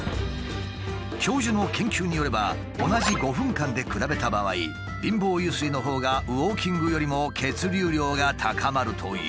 教授の研究によれば同じ５分間で比べた場合貧乏ゆすりのほうがウォーキングよりも血流量が高まるという。